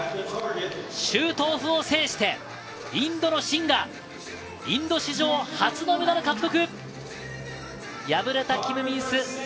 シュートオフを制して、インドのシンがインド史上初のメダル獲得！